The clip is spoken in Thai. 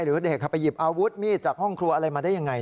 หรือเด็กไปหยิบอาวุธมีดจากห้องครัวอะไรมาได้ยังไง